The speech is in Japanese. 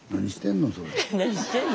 何してんの？